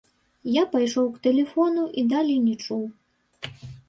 Я пайшоў к тэлефону і далей не чуў.